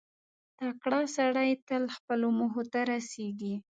• تکړه سړی تل خپلو موخو ته رسېږي.